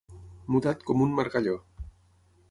Mudat com un margalló.